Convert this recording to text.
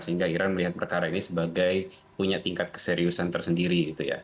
sehingga iran melihat perkara ini sebagai punya tingkat keseriusan tersendiri